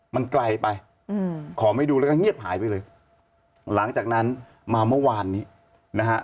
มันไกลไปอืมขอไม่ดูแล้วก็เงียบหายไปเลยหลังจากนั้นมาเมื่อวานนี้นะฮะ